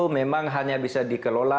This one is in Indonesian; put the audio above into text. memang hanya bisa dikelola